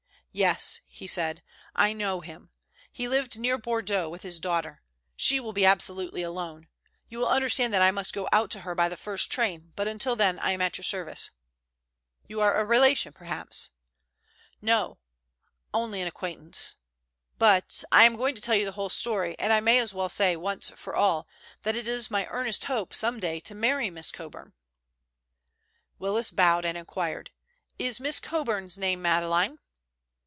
"Yes," he said, "I know him. He lived near Bordeaux with his daughter. She will be absolutely alone. You will understand that I must go out to her by the first train, but until then I am at your service. "You are a relation perhaps?" "No, only an acquaintance, but—I'm going to tell you the whole story, and I may as well say, once for all, that it is my earnest hope some day to marry Miss Coburn." Willis bowed and inquired, "Is Miss Coburn's name Madeleine?"